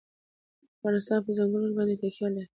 افغانستان په ځنګلونه باندې تکیه لري.